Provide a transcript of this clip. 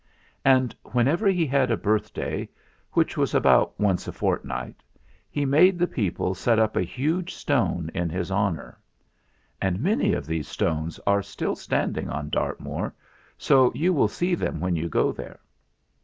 And whenever he had a birthday, which was about once a fortnight, he made the people set up a huge stone in his honour. And many of these stones are still standing on Dartmoor, so you will see them when you go there.